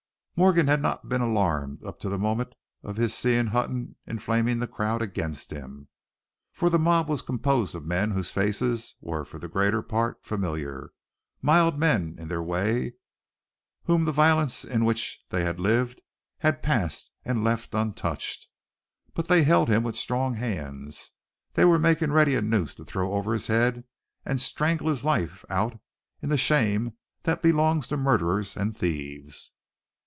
Morgan had not been alarmed up to the moment of his seeing Hutton inflaming the crowd against him, for the mob was composed of men whose faces were for the greater part familiar, mild men in their way, whom the violence in which they had lived had passed and left untouched. But they held him with strong hands; they were making ready a noose to throw over his head and strangle his life out in the shame that belongs to murderers and thieves.